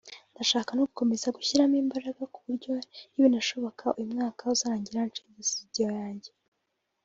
ndashaka no gukomeza gushyiramo imbaraga ku buryo nibinashoboka uyu mwaka uzarangira nshinze studio yanjye